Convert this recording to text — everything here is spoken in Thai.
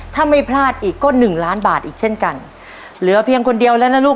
ถ้าไม่พลาดอีกก็หนึ่งล้านบาทอีกเช่นกันเหลือเพียงคนเดียวแล้วนะลูก